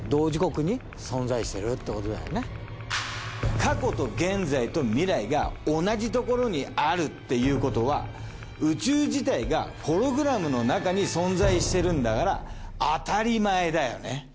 過去と現在と未来が同じところにあるっていうことは宇宙自体がホログラムの中に存在してるんだから当たり前だよね。